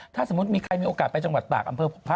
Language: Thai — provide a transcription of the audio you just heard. ถ้าสมมุติมีใครมีโอกาสไปจังหวัดตากอำเภอ